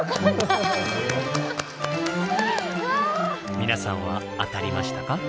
皆さんは当たりましたか？